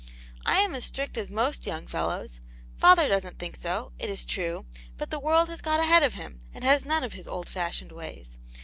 I am as strict as most young fellows ; father doesn't think so, it is true, but the world has got ahead of him, and has none df his old fashioned ways.